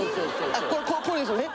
あこれですよね。